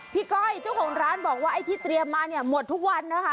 ก้อยเจ้าของร้านบอกว่าไอ้ที่เตรียมมาเนี่ยหมดทุกวันนะคะ